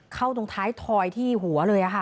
เข้าตรงท้ายถอยที่หัวเลย